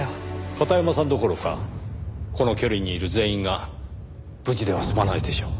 片山さんどころかこの距離にいる全員が無事では済まないでしょう。